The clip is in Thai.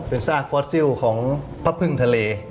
เป็นซากฟอสซิลของพระพึ่งทะเล